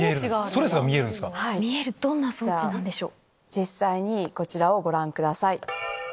実際にこちらをご覧ください。